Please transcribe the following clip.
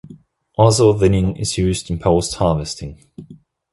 Also thinning is used in post harvesting.